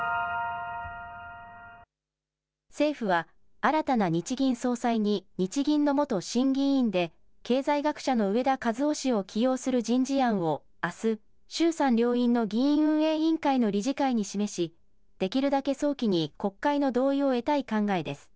政府は新たな日銀総裁に日銀の元審議委員で、経済学者の植田和男氏を起用する人事案を、あす、衆参両院の議院運営委員会の理事会に示し、できるだけ早期に国会の同意を得たい考えです。